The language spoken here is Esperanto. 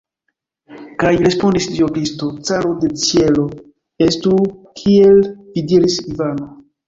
Kaj respondis Dio Kristo, caro de ĉielo: "Estu, kiel vi diris, Ivano!"